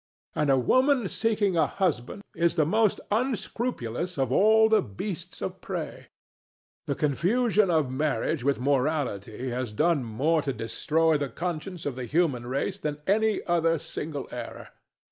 And a woman seeking a husband is the most unscrupulous of all the beasts of prey. The confusion of marriage with morality has done more to destroy the conscience of the human race than any other single error.